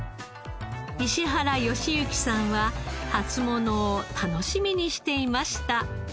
石原善之さんは初物を楽しみにしていました。